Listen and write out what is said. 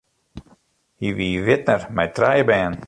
Hy wie widner mei trije bern.